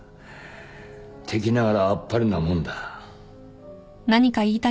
敵ながらあっぱれなもんだ。